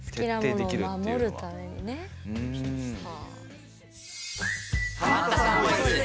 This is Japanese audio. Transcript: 好きなものを守るためにね。